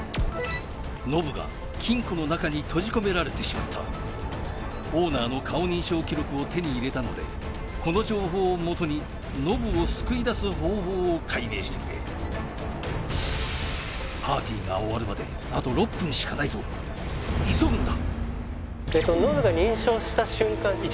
ノブが金庫の中に閉じ込められてしまったオーナーの顔認証記録を手に入れたのでこの情報をもとにノブを救い出す方法を解明してくれパーティーが終わるまであと６分しかないぞ急ぐんだ！